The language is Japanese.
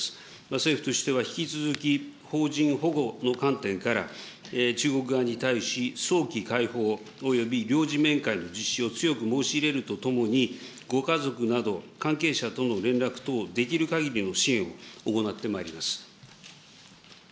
政府としては引き続き、邦人保護の観点から中国側に対し、早期解放および領事面会の実施を強く申し入れるとともに、ご家族など関係者との連絡等、できるかぎりの支援を行ってまいります。